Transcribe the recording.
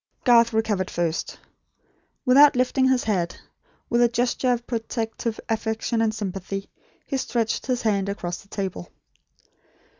Garth recovered first. Without lifting his head, with a gesture of protective affection and sympathy, he stretched his hand across the table.